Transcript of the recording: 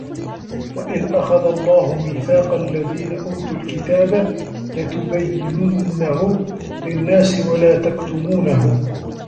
وَإِذْ أَخَذَ اللَّهُ مِيثَاقَ الَّذِينَ أُوتُوا الْكِتَابَ لَتُبَيِّنُنَّهُ لِلنَّاسِ وَلَا تَكْتُمُونَهُ